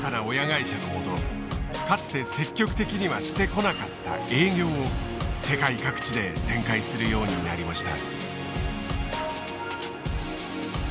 かつて積極的にはしてこなかった営業を世界各地で展開するようになりました。